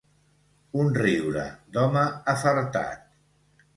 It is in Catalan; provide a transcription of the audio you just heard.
Un riure d'home afartat”.